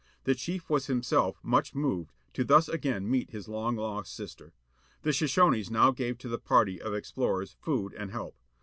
The chief was himself much moved, to thus again meet his long lost sister. The Shoshones now gave to the party of ex plorers food and help.